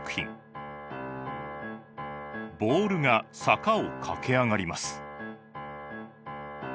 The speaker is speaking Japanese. ボールが坂を駆け上がります。